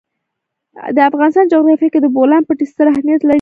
د افغانستان جغرافیه کې د بولان پټي ستر اهمیت لري.